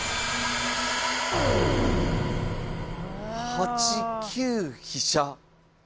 ８九飛車。